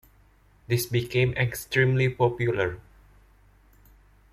This became extremely popular.